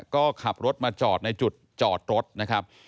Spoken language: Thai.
ก็ขับรถมาจอดในจุดจอดรถนะครับ